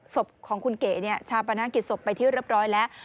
สบของคุณเก๋ชาวประนักกิจสบไปที่เรียบร้อยแล้ว